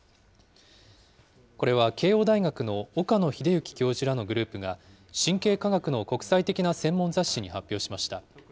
これは慶応大学の岡野栄之教授らのグループが、神経科学の国際的な専門雑誌に発表しました。